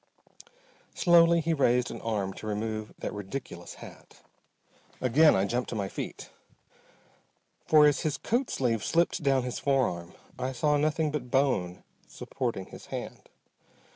Slowly he raised an arm to remove that ridiculous hat. Again I jumped to my feet. For as his coat sleeve slipped down his forearm I saw nothing but bone supporting his hand.